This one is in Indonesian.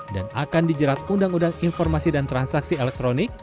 dan akan dijerat undang undang informasi dan transaksi elektronik